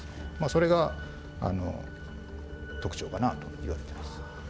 それが特徴かなといわれています。